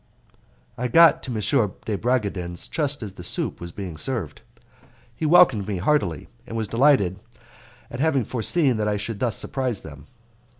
I got to M. de Bragadin's just as the soup was being served. He welcomed me heartily, and was delighted at having foreseen that I should thus surprise them.